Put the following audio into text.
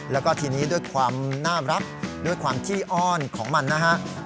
แล้วก็ทีนี้ด้วยความน่ารักด้วยความขี้อ้อนของมันนะฮะ